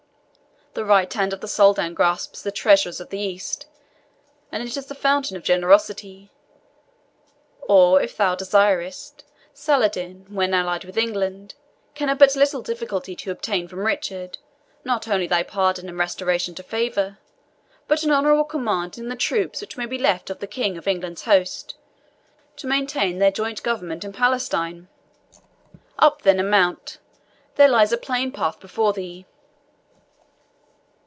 The right hand of the Soldan grasps the treasures of the East, and it is the fountain or generosity. Or, if thou desirest it, Saladin, when allied with England, can have but little difficulty to obtain from Richard, not only thy pardon and restoration to favour, but an honourable command in the troops which may be left of the King of England's host, to maintain their joint government in Palestine. Up, then, and mount there lies a plain path before thee."